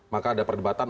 maka ada perdebatan